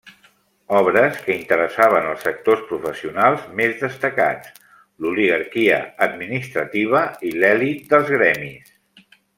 Obres que interessaven els sectors professionals més destacats, l'oligarquia administrativa i l'elit dels gremis.